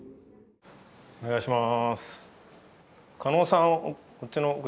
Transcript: お願いします。